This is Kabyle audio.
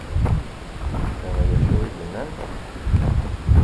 Tefhem d acu i d-nnant?